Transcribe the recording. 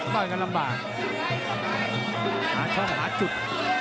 ต่อยกันลำบากหาช่องหาจุด